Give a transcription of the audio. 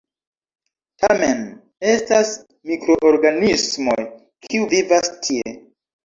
Tamen estas mikroorganismoj, kiu vivas tie.